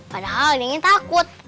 padahal dia ingin takut